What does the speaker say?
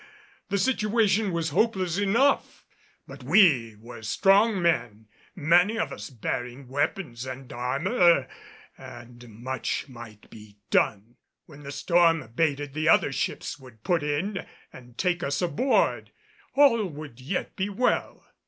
The situation was hopeless enough, but we were strong men, many of us bearing weapons and armor, and much might be done. When the storm abated the other ships would put in and take us aboard. All would yet be well.